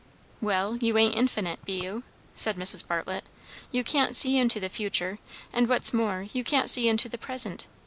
"Well, you ain't infinite, be you?" said Mrs. Bartlett. "You can't see into the futur'; and what's more, you can't see into the present.